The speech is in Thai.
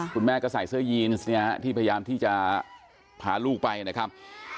แม่ก็ใส่เสื้อยีนที่พยายามที่จะพาลูกไปนะครับ